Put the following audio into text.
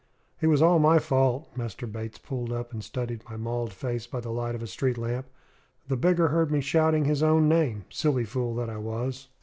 "It was all my fault!" Master Bates pulled up and studied my mauled face by the light of a street lamp. "The beggar heard me shouting his own name, silly fool that I was!"